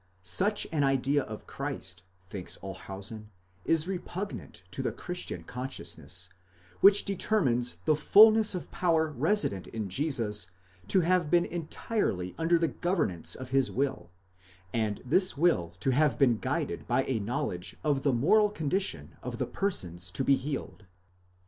Such an idea of Christ, thinks Olshausen, is repugnant to the Christian consciousness, which determines the fulness of power resident in Jesus to have been entirely under the governance of his will; and this wilk to have been guided by a knowledge of the moral condition of the persons to be healed.